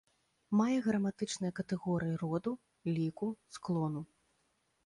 Мае граматычныя катэгорыі роду, ліку, склону.